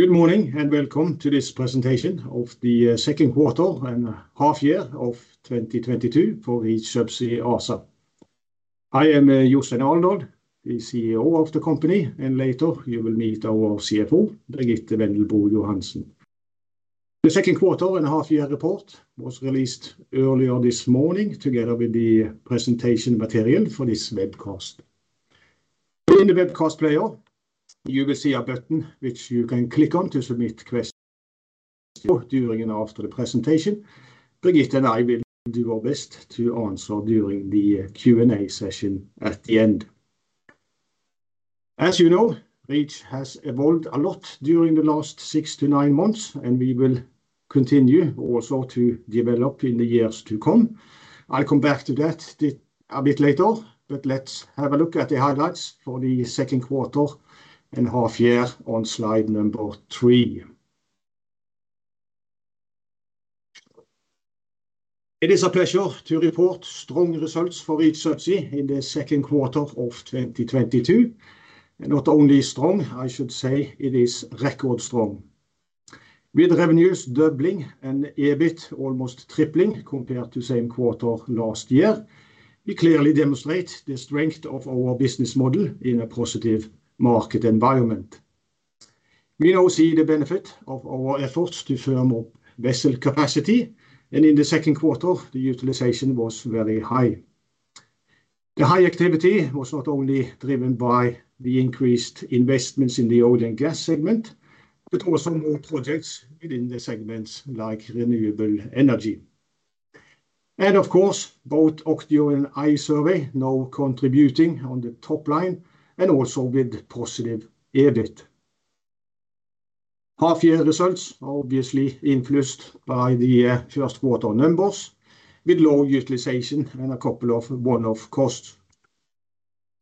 Good morning, and welcome to this presentation of the Q2 and half year of 2022 for Reach Subsea ASA. I am Jostein Alendal, the CEO of the company, and later you will meet our CFO, Birgitte Wendelbo Johansen. The Q2 and half year report was released earlier this morning together with the presentation material for this webcast. In the webcast player, you will see a button which you can click on to submit questions during and after the presentation. Birgitte and I will do our best to answer during the Q&A session at the end. As you know, Reach has evolved a lot during the last six to nine months, and we will continue also to develop in the years to come. I'll come back to that a bit later, but let's have a look at the highlights for the Q2 and half year on slide number three. It is a pleasure to report strong results for Reach Subsea in the Q2 of 2022, and not only strong, I should say it is record strong. With revenues doubling and EBIT almost tripling compared to same quarter last year, we clearly demonstrate the strength of our business model in a positive market environment. We now see the benefit of our efforts to firm up vessel capacity, and in the Q2, the utilization was very high. The high activity was not only driven by the increased investments in the oil and gas segment, but also more projects within the segments like renewable energy. Of course, both OCTIO and iSurvey now contributing on the top line and also with positive EBIT. Half year results are obviously influenced by the Q1 numbers with low utilization and a couple of one-off costs.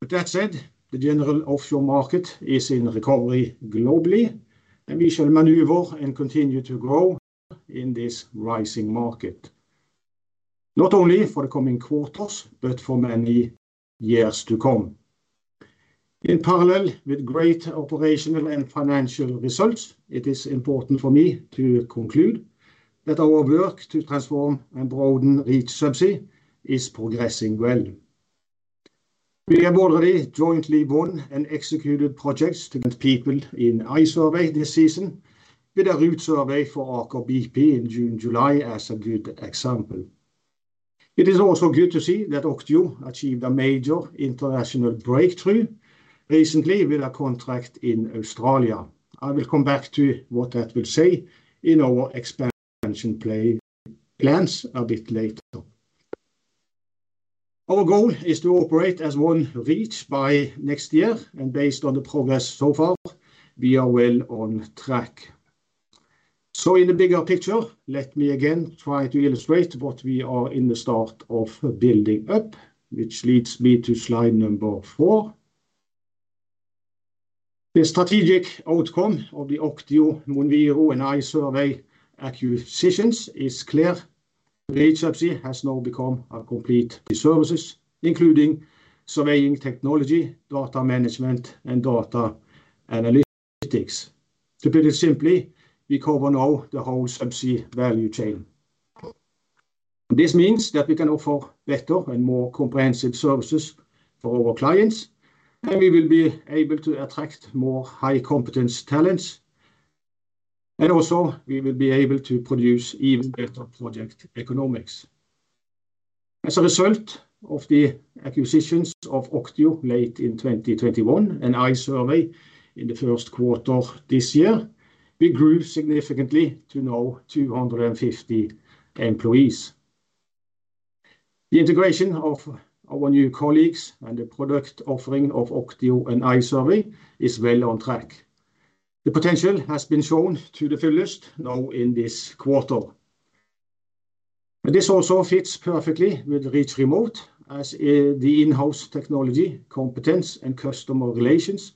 That said, the general offshore market is in recovery globally, and we shall maneuver and continue to grow in this rising market, not only for the coming quarters, but for many years to come. In parallel with great operational and financial results, it is important for me to conclude that our work to transform and broaden Reach Subsea is progressing well. We have already jointly won and executed projects to get people in iSurvey this season with a route survey for Aker BP in June/July as a good example. It is also good to see that OCTIO achieved a major international breakthrough recently with a contract in Australia. I will come back to what that will say in our expansion plans a bit later. Our goal is to operate as one Reach by next year, and based on the progress so far, we are well on track. In the bigger picture, let me again try to illustrate what we are in the start of building up, which leads me to slide number four. The strategic outcome of the OCTIO, MonViro and iSurvey acquisitions is clear. Reach Subsea has now become a complete services, including surveying technology, data management and data analytics. To put it simply, we cover now the whole subsea value chain. This means that we can offer better and more comprehensive services for our clients, and we will be able to attract more high competence talents, and also we will be able to produce even better project economics. As a result of the acquisitions of OCTIO late in 2021 and iSurvey in the Q1 this year, we grew significantly to now 250 employees. The integration of our new colleagues and the product offering of OCTIO and iSurvey is well on track. The potential has been shown to the fullest now in this quarter. This also fits perfectly with Reach Remote, as, the in-house technology, competence and customer relations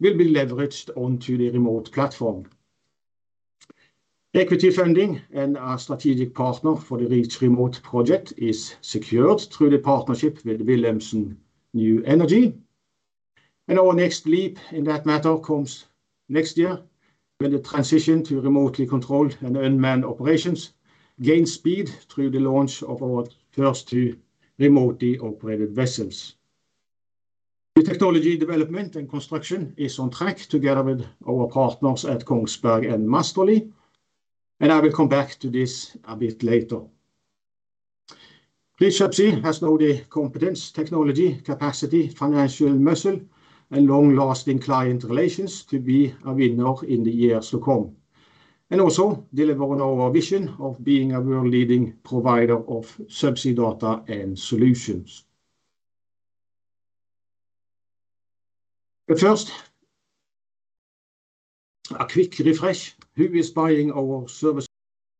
will be leveraged onto the remote platform. Equity funding and our strategic partner for the Reach Remote project is secured through the partnership with the Wilhelmsen New Energy. Our next leap in that matter comes next year when the transition to remotely controlled and unmanned operations gain speed through the launch of our first two remotely operated vessels. The technology development and construction is on track together with our partners at Kongsberg and Massterly, and I will come back to this a bit later. Reach Subsea has now the competence, technology, capacity, financial muscle and long-lasting client relations to be a winner in the years to come and also delivering on our vision of being a world-leading provider of subsea data and solutions. First, a quick refresh. Who is buying our service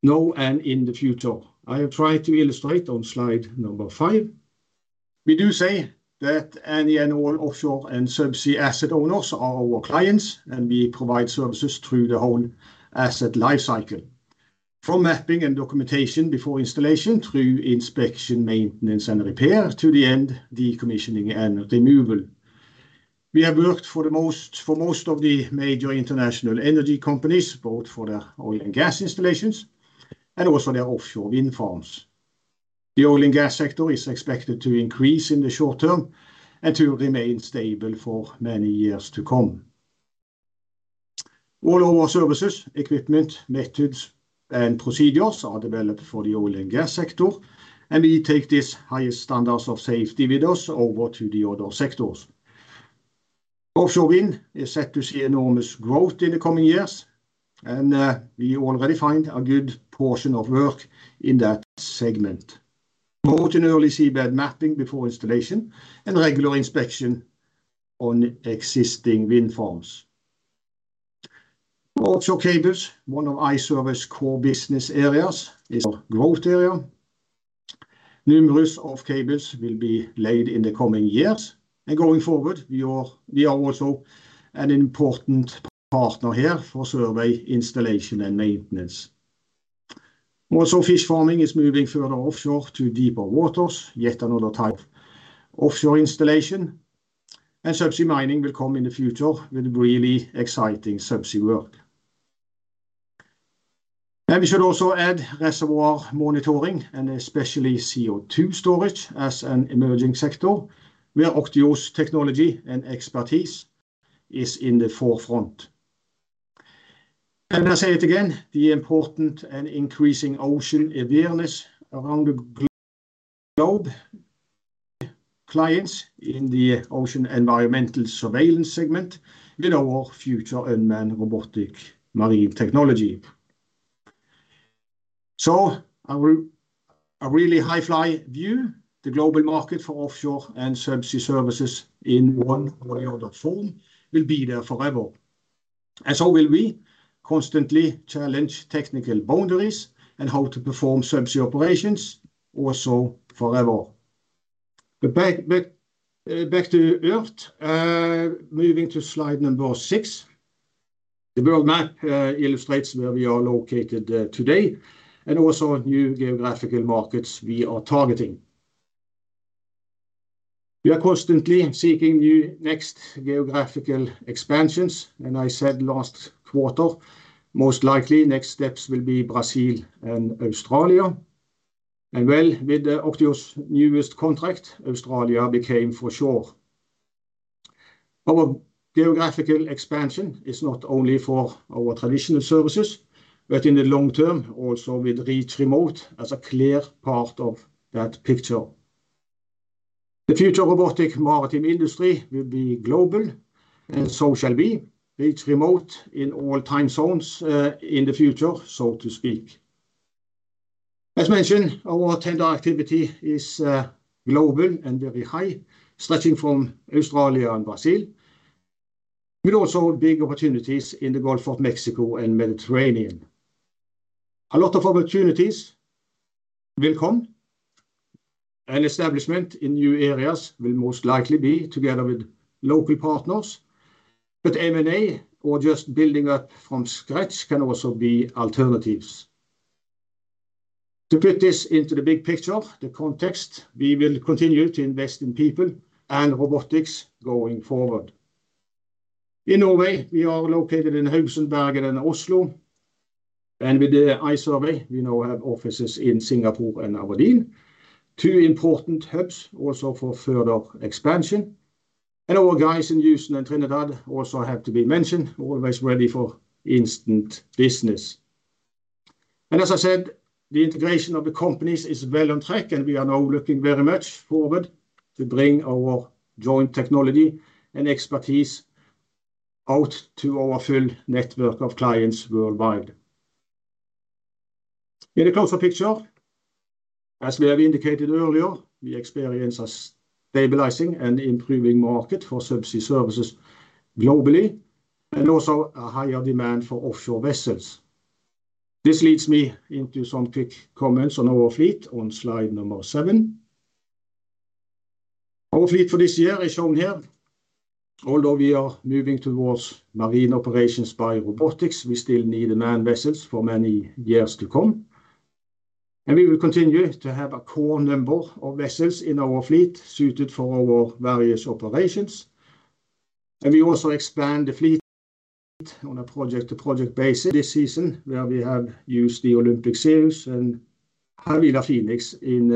now and in the future? I have tried to illustrate on slide number five. We do say that any and all offshore and subsea asset owners are our clients, and we provide services through the whole asset life cycle. From mapping and documentation before installation through inspection, maintenance and repair to the end decommissioning and removal. We have worked for most of the major international energy companies, both for the oil and gas installations and also their offshore wind farms. The oil and gas sector is expected to increase in the short term and to remain stable for many years to come. All our services, equipment, methods and procedures are developed for the oil and gas sector, and we take the highest standards of safety with us over to the other sectors. Offshore wind is set to see enormous growth in the coming years, and we already find a good portion of work in that segment. More than merely seabed mapping before installation and regular inspection on existing wind farms. Also, cables, one of our core service business areas is a growth area. A number of cables will be laid in the coming years and going forward, we are also an important partner here for survey, installation and maintenance. Fish farming is moving further offshore to deeper waters, yet another type of offshore installation and subsea mining will come in the future with really exciting subsea work. We should also add reservoir monitoring and especially CO2 storage as an emerging sector where OCTIO's technology and expertise is in the forefront. I say it again, the important and increasing ocean awareness around the globe. Clients in the ocean environmental surveillance segment with our future unmanned robotic marine technology. A really high-level view. The global market for offshore and subsea services in one way or the form will be there forever and so will we, constantly challenge technical boundaries and how to perform subsea operations also forever. But back to earth. Moving to slide number six. The world map illustrates where we are located today and also new geographical markets we are targeting. We are constantly seeking new next geographical expansions. I said last quarter, most likely next steps will be Brazil and Australia. Well, with the OCTIO's newest contract, Australia became for sure. Our geographical expansion is not only for our traditional services, but in the long term also with Reach Remote as a clear part of that picture. The future robotic maritime industry will be global and so shall be. Reach Remote in all time zones in the future, so to speak. As mentioned, our tender activity is global and very high, stretching from Australia and Brazil, with also big opportunities in the Gulf of Mexico and Mediterranean. A lot of opportunities will come and establishment in new areas will most likely be together with local partners. M&A or just building up from scratch can also be alternatives. To put this into the big picture, the context, we will continue to invest in people and robotics going forward. In Norway, we are located in Haugesund, Bergen and Oslo. With the iSurvey, we now have offices in Singapore and Aberdeen, two important hubs also for further expansion. Our guys in Houston and Trinidad also have to be mentioned, always ready for instant business. As I said, the integration of the companies is well on track, and we are now looking very much forward to bring our joint technology and expertise out to our full network of clients worldwide. In a closer picture, as we have indicated earlier, we experience a stabilizing and improving market for subsea services globally and also a higher demand for offshore vessels. This leads me into some quick comments on our fleet on slide number seven. Our fleet for this year is shown here. Although we are moving towards marine operations by robotics, we still need manned vessels for many years to come. We will continue to have a core number of vessels in our fleet suited for our various operations. We also expand the fleet on a project-to-project basis this season where we have used the Olympic series and Havila Phoenix in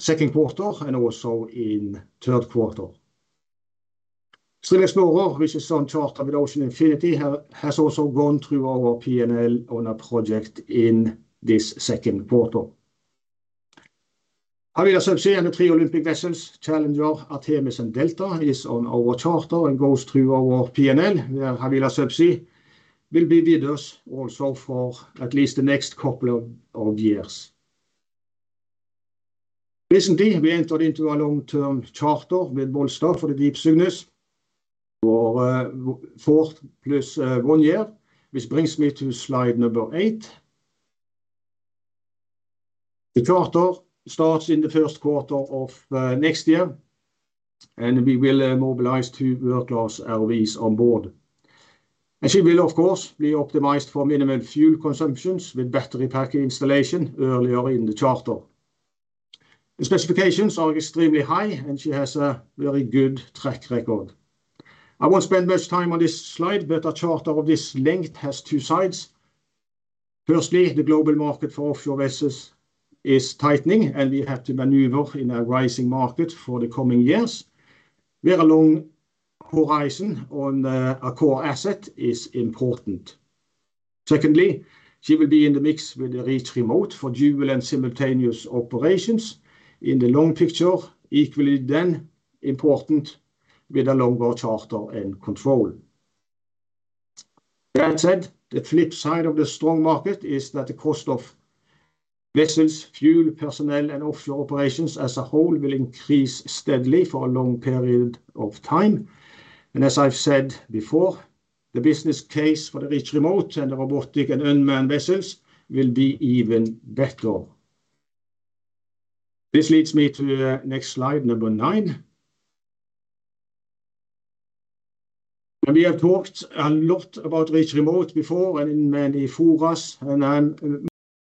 Q2 and also in Q3. Normand Reach, which is on charter with Ocean Infinity, has also gone through our P&L on a project in this Q2. Havila Subsea and the three Olympic vessels, Olympic Challenger, Olympic Artemis and Olympic Delta, is on our charter and goes through our P&L, where Havila Subsea will be with us also for at least the next couple of years. Recently, we entered into a long-term charter with Volstad for the Deep Cygnus for four plus one year, which brings me to slide number eight. The charter starts in the Q1 of next year, and we will mobilize two world-class ROVs on board. She will, of course, be optimized for minimum fuel consumption with battery pack installation earlier in the charter. The specifications are extremely high, and she has a very good track record. I won't spend much time on this slide, but a charter of this length has two sides. Firstly, the global market for offshore vessels is tightening, and we have to maneuver in a rising market for the coming years. We have a long horizon on our core asset. Our core asset is important. Secondly, she will be in the mix with the Reach Remote for dual and simultaneous operations in the long picture, equally then important with a longer charter and control. That said, the flip side of the strong market is that the cost of vessels, fuel, personnel and offshore operations as a whole will increase steadily for a long period of time. As I've said before, the business case for the Reach Remote and the robotic and unmanned vessels will be even better. This leads me to the next slide, number nine. We have talked a lot about Reach Remote before and in many forums, and I'm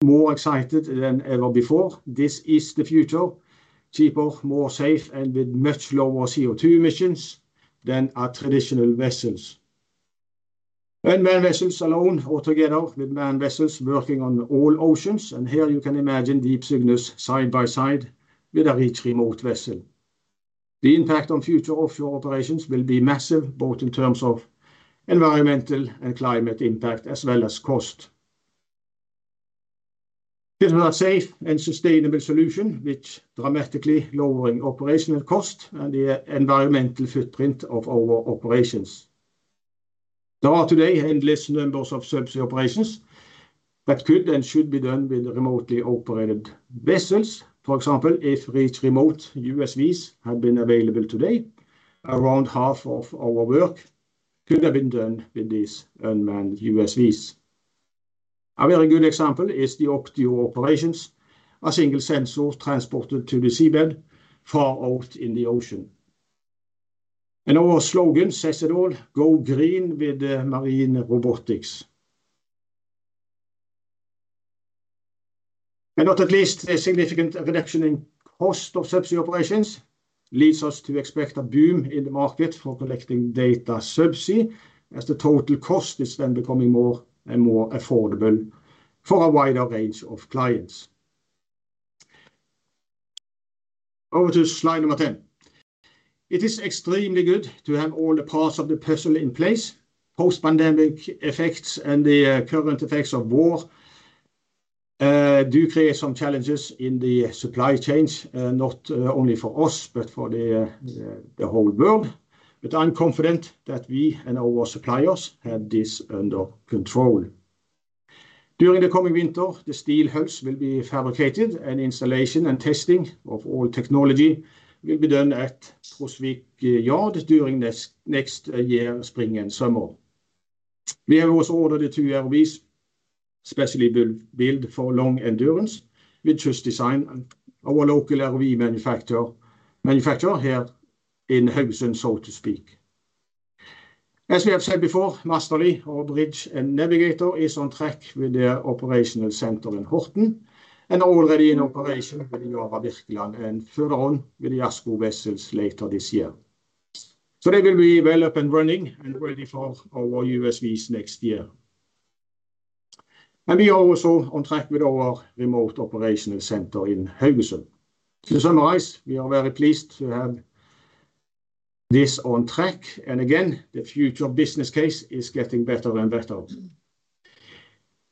more excited than ever before. This is the future, cheaper, more safe, and with much lower CO2 emissions than our traditional vessels. Unmanned vessels alone or together with manned vessels working on all oceans, and here you can imagine Deep Cygnus side by side with a Reach Remote vessel. The impact on future offshore operations will be massive, both in terms of environmental and climate impact, as well as cost. This is a safe and sustainable solution which dramatically lowering operational cost and the environmental footprint of our operations. There are today endless numbers of subsea operations that could and should be done with remotely operated vessels. For example, if Reach Remote USVs had been available today, around half of our work could have been done with these unmanned USVs. A very good example is the OCTIO operations, a single sensor transported to the seabed far out in the ocean. Our slogan says it all, "Go green with marine robotics." Not at least a significant reduction in cost of subsea operations leads us to expect a boom in the market for collecting data subsea, as the total cost is then becoming more and more affordable for a wider range of clients. Over to slide number 10. It is extremely good to have all the parts of the puzzle in place. Post-pandemic effects and the current effects of war do create some challenges in the supply chains, not only for us, but for the whole world. I'm confident that we and our suppliers have this under control. During the coming winter, the steel hulls will be fabricated, and installation and testing of all technology will be done at Trosvik Yard during next year, spring and summer. We have also ordered two ROVs specially built for long endurance with Kystdesign, our local ROV manufacturer here in Haugesund, so to speak. As we have said before, Massterly, our bridge and navigator, is on track with the operational center in Horten and already in operation with the Yara Birkeland and [Furuno] with the ASKO vessels later this year. They will be well up and running and ready for our USVs next year. We are also on track with our remote operational center in Haugesund. To summarize, we are very pleased to have this on track. Again, the future business case is getting better and better.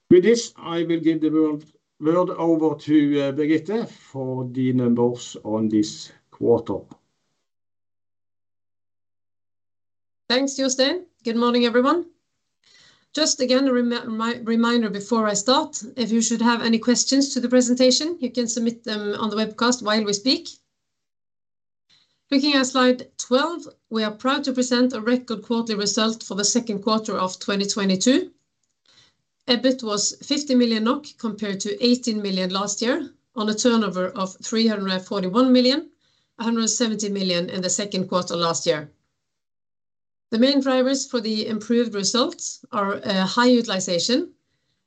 With this, I will give the word over to Birgitte for the numbers on this quarter. Thanks, Jostein. Good morning, everyone. Just again, a reminder before I start, if you should have any questions to the presentation, you can submit them on the webcast while we speak. Looking at slide 12, we are proud to present a record quarterly result for the Q2 of 2022. EBIT was 50 million NOK compared to 18 million last year on a turnover of 341 million, 170 million in the Q2 last year. The main drivers for the improved results are high utilization,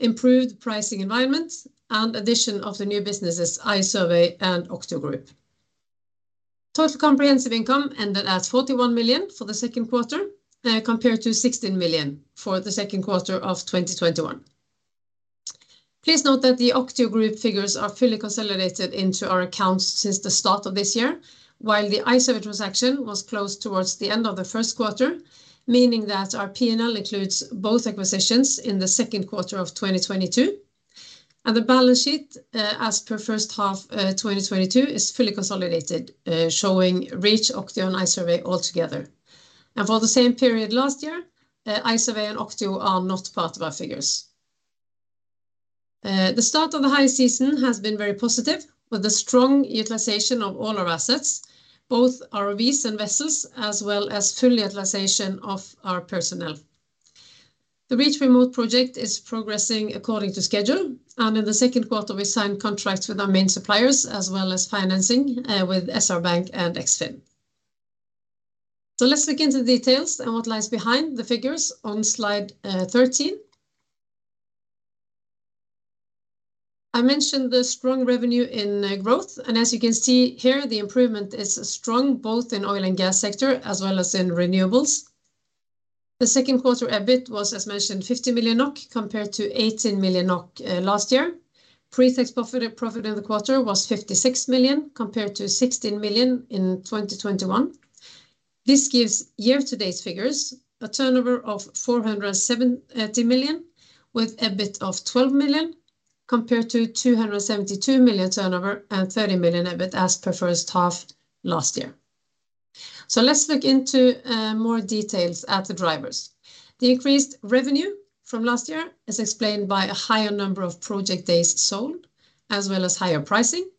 improved pricing environment, and addition of the new businesses, iSurvey and OCTIO. Total comprehensive income ended at 41 million for the Q2 compared to 16 million for the Q2 of 2021. Please note that the OCTIO Group figures are fully consolidated into our accounts since the start of this year, while the iSurvey transaction was closed towards the end of the Q1, meaning that our P&L includes both acquisitions in the Q2 of 2022. The balance sheet as per H1 2022 is fully consolidated, showing Reach Subsea, OCTIO and iSurvey all together. For the same period last year, iSurvey and OCTIO are not part of our figures. The start of the high season has been very positive with the strong utilization of all our assets, both ROVs and vessels, as well as full utilization of our personnel. The Reach Remote project is progressing according to schedule, and in the Q2 we signed contracts with our main suppliers, as well as financing with SpareBank 1 SR-Bank and Eksfin. Let's look into the details and what lies behind the figures on slide 13. I mentioned the strong revenue in growth, and as you can see here, the improvement is strong both in oil and gas sector as well as in renewables. The Q2 EBIT was, as mentioned, 50 million NOK compared to 18 million NOK last year. Pre-tax profit in the quarter was 56 million compared to 16 million in 2021. This gives year-to-date figures a turnover of 470 million with an EBIT of 12 million compared to 272 million turnover and 30 million EBIT as per H1 last year. Let's look into more details at the drivers. The increased revenue from last year is explained by a higher number of project days sold, as well as higher pricing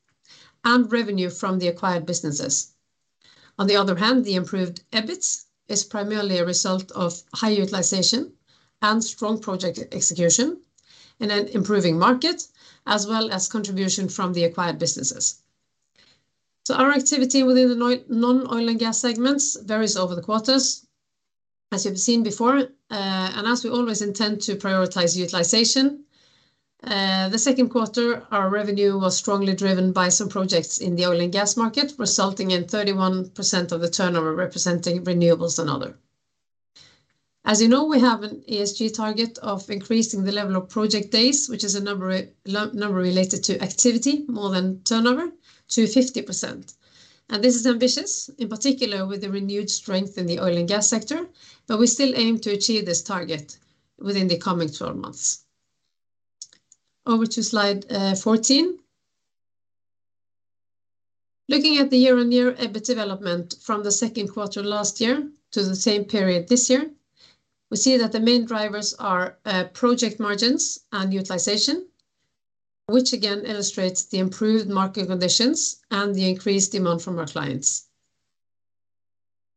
and revenue from the acquired businesses. On the other hand, the improved EBIT is primarily a result of high utilization and strong project execution in an improving market, as well as contribution from the acquired businesses. Our activity within the non-oil and gas segments varies over the quarters, as you've seen before. As we always intend to prioritize utilization, the Q2, our revenue was strongly driven by some projects in the oil and gas market, resulting in 31% of the turnover representing renewables and other. As you know, we have an ESG target of increasing the level of project days, which is a number related to activity more than turnover to 50%. This is ambitious, in particular with the renewed strength in the oil and gas sector. We still aim to achieve this target within the coming 12 months. Over to slide 14. Looking at the year-on-year EBIT development from the Q2 last year to the same period this year, we see that the main drivers are project margins and utilization, which again illustrates the improved market conditions and the increased demand from our clients.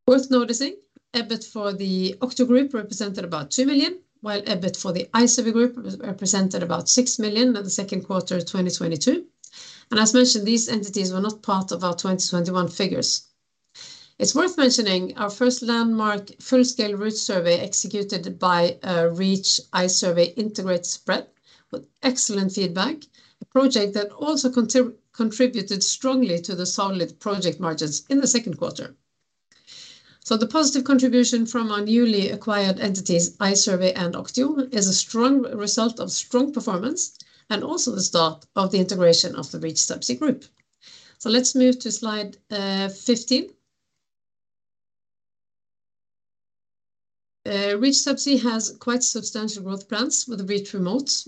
Worth noticing, EBIT for the OCTIO group represented about 2 million, while EBIT for the iSurvey group represented about 6 million in the Q2 of 2022. As mentioned, these entities were not part of our 2021 figures. It's worth mentioning our first landmark full-scale route survey executed by Reach iSurvey integrated spread with excellent feedback, a project that also contributed strongly to the solid project margins in the Q2. The positive contribution from our newly acquired entities, iSurvey and OCTIO, is a strong result of strong performance and also the start of the integration of the Reach Subsea group. Let's move to slide 15. Reach Subsea has quite substantial growth plans with Reach Remote.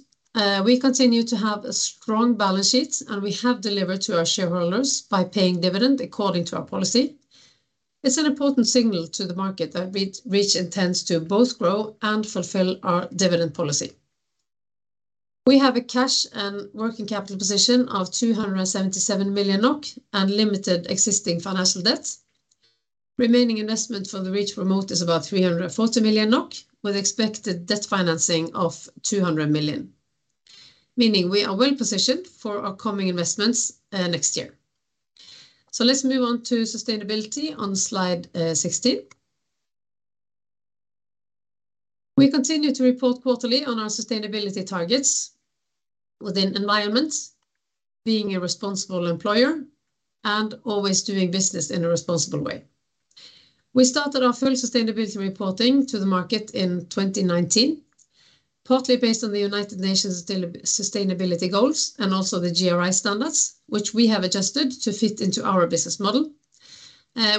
We continue to have a strong balance sheet, and we have delivered to our shareholders by paying dividend according to our policy. It's an important signal to the market that Reach intends to both grow and fulfill our dividend policy. We have a cash and working capital position of 277 million NOK and limited existing financial debt. Remaining investment for the Reach Remote is about 340 million NOK, with expected debt financing of 200 million, meaning we are well positioned for our coming investments next year. Let's move on to sustainability on slide 16. We continue to report quarterly on our sustainability targets within environments, being a responsible employer and always doing business in a responsible way. We started our full sustainability reporting to the market in 2019, partly based on the United Nations sustainability goals and also the GRI standards, which we have adjusted to fit into our business model.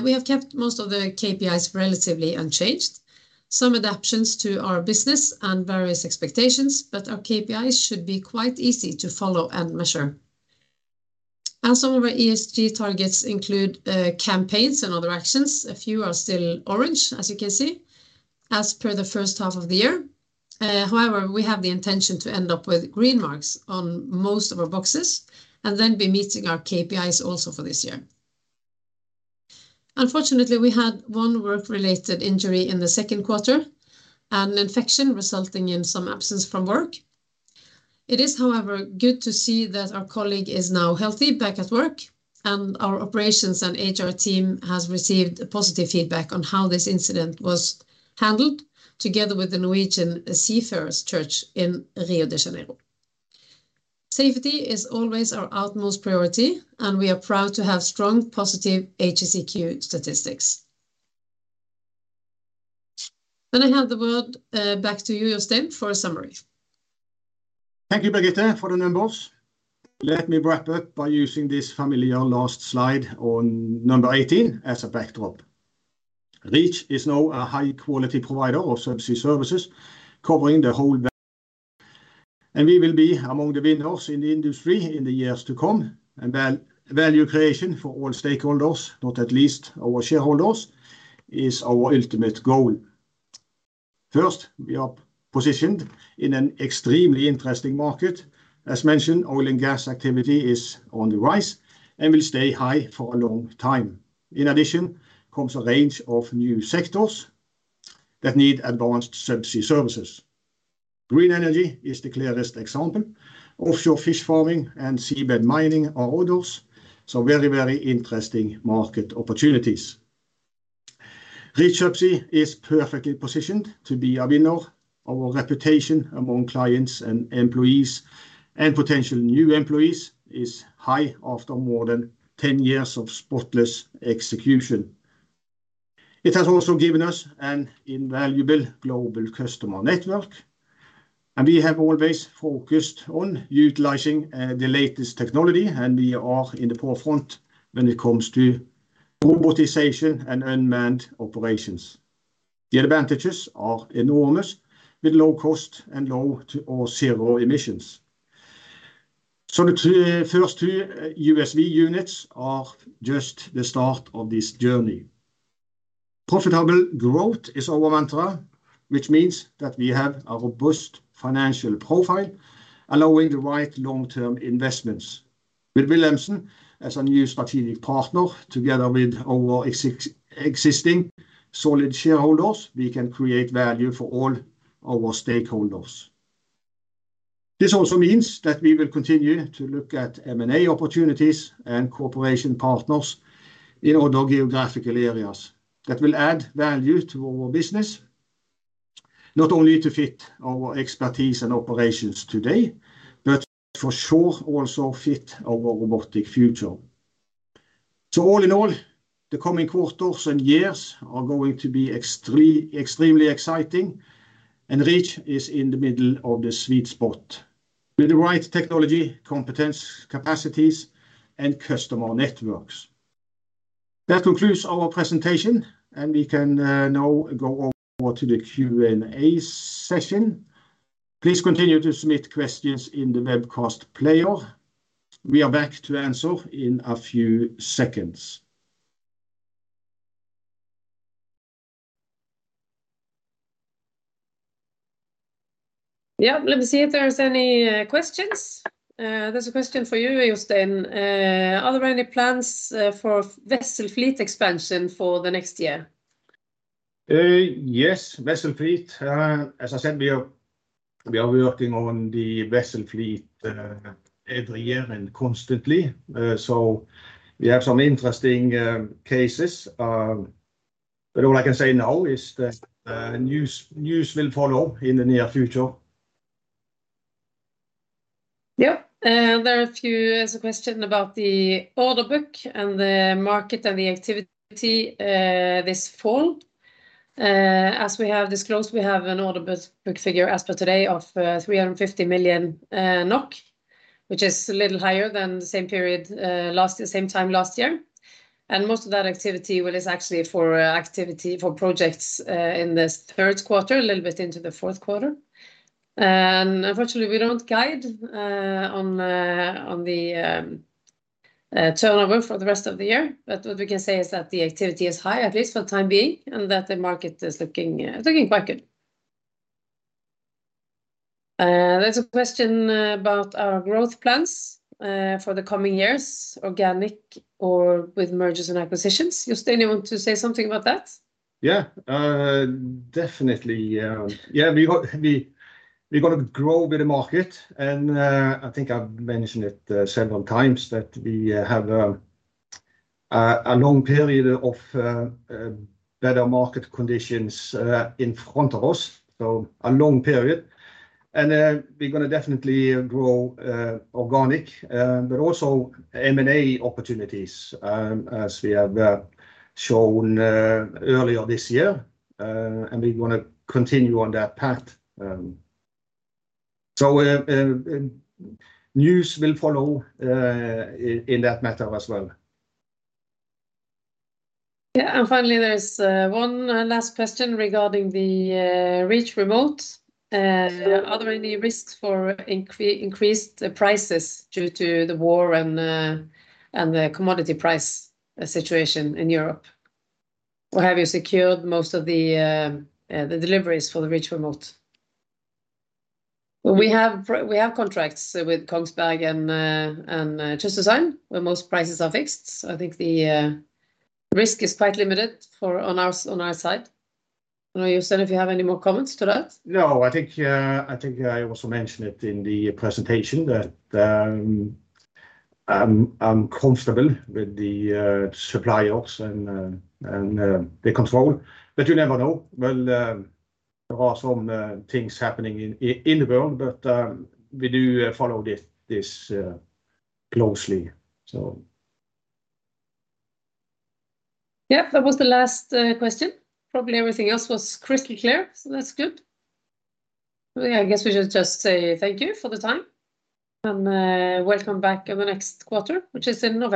We have kept most of the KPIs relatively unchanged. Some adaptations to our business and various expectations, but our KPIs should be quite easy to follow and measure. Some of our ESG targets include campaigns and other actions. A few are still orange, as you can see, as per the H1 of the year. However, we have the intention to end up with green marks on most of our boxes and then be meeting our KPIs also for this year. Unfortunately, we had one work-related injury in the Q2 and an infection resulting in some absence from work. It is, however, good to see that our colleague is now healthy, back at work, and our operations and HR team has received positive feedback on how this incident was handled together with the Norwegian Seamen's Church in Rio de Janeiro. Safety is always our utmost priority, and we are proud to have strong positive HSEQ statistics. I hand the word back to you, Jostein, for a summary. Thank you, Birgitte, for the numbers. Let me wrap up by using this familiar last slide on number 18 as a backdrop. Reach is now a high-quality provider of subsea services covering the whole value chain, and we will be among the winners in the industry in the years to come. Value creation for all stakeholders, not at least our shareholders, is our ultimate goal. First, we are positioned in an extremely interesting market. As mentioned, oil and gas activity is on the rise and will stay high for a long time. In addition comes a range of new sectors that need advanced subsea services. Green energy is the clearest example. Offshore fish farming and seabed mining are others. Very, very interesting market opportunities. Reach Subsea is perfectly positioned to be a winner. Our reputation among clients and employees and potential new employees is high after more than 10 years of spotless execution. It has also given us an invaluable global customer network, and we have always focused on utilizing the latest technology, and we are in the forefront when it comes to robotization and unmanned operations. The advantages are enormous, with low cost and low or zero emissions. The first two USV units are just the start of this journey. Profitable growth is our mantra, which means that we have a robust financial profile, allowing the right long-term investments. With Wilhelmsen as a new strategic partner, together with our existing solid shareholders, we can create value for all our stakeholders. This also means that we will continue to look at M&A opportunities and cooperation partners in other geographical areas that will add value to our business, not only to fit our expertise and operations today, but for sure, also fit our robotic future. All in all, the coming quarters and years are going to be extremely exciting, and Reach is in the middle of the sweet spot with the right technology, competence, capacities and customer networks. That concludes our presentation, and we can now go over to the Q&A session. Please continue to submit questions in the webcast player. We are back to answer in a few seconds. Yeah. Let me see if there's any questions. There's a question for you, Jostein. Are there any plans for vessel fleet expansion for the next year? Yes. Vessel fleet. As I said, we are working on the vessel fleet every year and constantly. So we have some interesting cases. But all I can say now is that news will follow in the near future. Yeah. There are a few. There's a question about the order book and the market and the activity this fall. As we have disclosed, we have an order book figure as per today of 350 million NOK, which is a little higher than the same period, the same time last year. Most of that activity well is actually for activity for projects in this Q3, a little bit into the Q4. Unfortunately, we don't guide on the turnover for the rest of the year. What we can say is that the activity is high, at least for the time being, and that the market is looking quite good. There's a question about our growth plans, for the coming years, organic or with mergers and acquisitions. Jostein, you want to say something about that? Yeah. Definitely, yeah, we're gonna grow with the market and, I think I've mentioned it several times that we have a long period of better market conditions in front of us, so a long period. We're gonna definitely grow organic, but also M&A opportunities, as we have shown earlier this year. We wanna continue on that path. News will follow in that matter as well. Yeah. Finally, there's one last question regarding the Reach Remote. Are there any risks for increased prices due to the war and the commodity price situation in Europe, or have you secured most of the deliveries for the Reach Remote? Well, we have contracts with Kongsberg and Kystdesign, where most prices are fixed. I think the risk is quite limited on our side. I don't know, Jostein, if you have any more comments to that. No, I think I also mentioned it in the presentation that I'm comfortable with the suppliers and the control. You never know. Well, there are some things happening in the world, but we do follow this closely, so. Yeah, that was the last question. Probably everything else was crystal clear, so that's good. Well, yeah, I guess we should just say thank you for the time and welcome back in the next quarter, which is in November.